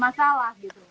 bisnis catering nya